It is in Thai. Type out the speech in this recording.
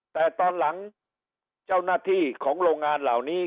แต่ตอนหลังเจ้าหน้าที่ของโรงงานเหล่านี้